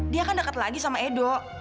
dia kan dekat lagi sama edo